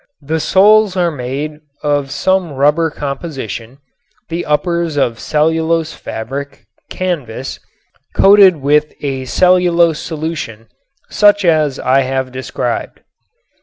The soles are made of some rubber composition; the uppers of cellulose fabric (canvas) coated with a cellulose solution such as I have described.